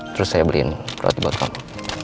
terus saya beliin roti buat kamu